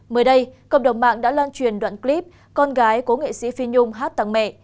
mới đây cộng đồng mạng đã lan truyền đoạn clip con gái của nghệ sĩ phi nhung hát tăng mẹ